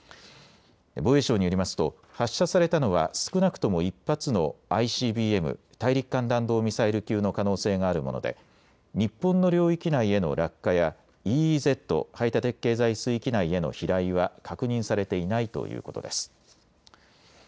防衛省によりますと発射されたのは少なくとも１発のＩＣＢＭ・大陸間弾道ミサイル級の可能性があるもので日本の領域内への落下やＥＥＺ・排他的経済水域内への飛来は確認されていないということです。